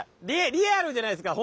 リアルじゃないですか。